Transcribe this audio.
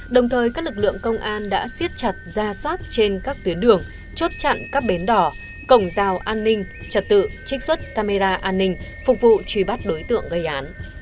đồng thời các lực lượng công an đã xiết chặt ra soát trên các tuyến đường chốt chặn các bến đỏ cổng rào an ninh trật tự trích xuất camera an ninh phục vụ truy bắt đối tượng gây án